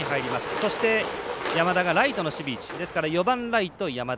そして山田がライトの守備位置ですから４番ライトが山田。